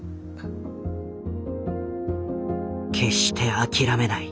決して諦めない。